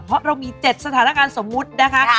เพราะเรามี๗สถานการณ์สมมุตินะคะ